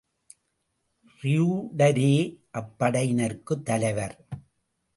ரியூடரே அப்படையினருக்குத் தலைவர்.